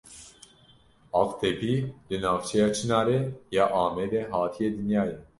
Aqtepî li navçeya Çinarê ya Amedê hatiye dinyayê.